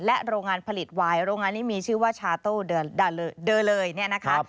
โรงงานผลิตวายโรงงานนี้มีชื่อว่าชาโต้เดอร์เลยเนี่ยนะคะ